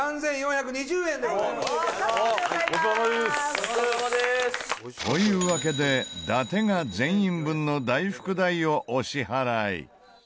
ごちそうさまです！というわけで伊達が全員分の大福代をお支払い。